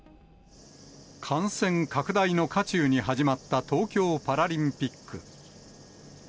感染拡大の渦中に始まった東京パラリンピック。